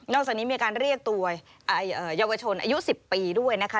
จากนี้มีการเรียกตัวเยาวชนอายุ๑๐ปีด้วยนะคะ